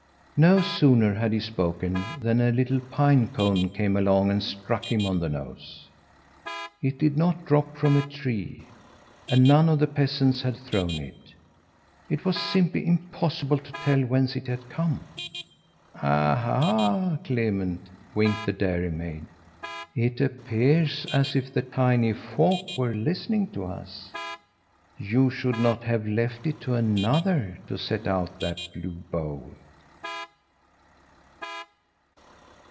No sooner had he spoken than a little pine cone came along and struck him on the nose. It did not drop from a tree, and none of the peasants had thrown it. It was simply impossible to tell whence it had come. "Aha, Clement!" winked the dairymaid, "it appears as if the tiny folk were listening to us. You should not have left it to another to set out that blue bowl!"